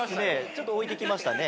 ちょっとおいてきましたね。